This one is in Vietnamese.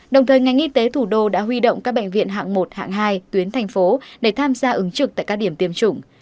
đồng thời ngành y tế thủ đô đã huy động các bệnh viện hạng một hạng hai tuyến thành phố để tham gia ứng trực tại các điểm tiêm chủng